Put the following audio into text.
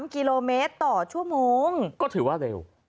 ๓กิโลเมตรต่อชั่วโมงก็ถือว่าเร็ว